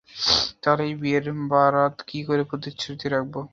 তাহলে এই বিয়ের বারাত কী করে প্রতিশ্রুতি রাখবে।